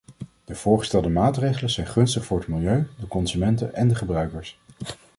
De voorgestelde maatregelen zijn gunstig voor het milieu, de consumenten en de gebruikers.